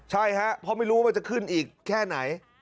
ใช่ครับเพราะไม่รู้ว่ามันจะขึ้นอีกแค่ไหน